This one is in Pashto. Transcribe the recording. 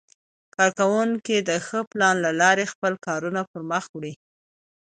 کارکوونکي د ښه پلان له لارې خپل کار پرمخ وړي